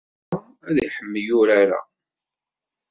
Ṛuza ad tḥemmel urar-a.